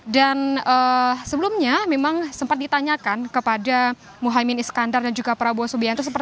dan sebelumnya memang sempat ditanyakan kepada muhyiddin iskandar dan juga prabowo subianto